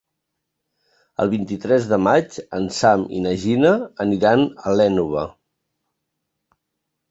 El vint-i-tres de maig en Sam i na Gina aniran a l'Énova.